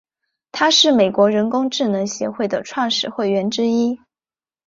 他是美国人工智能协会的创始会员之一。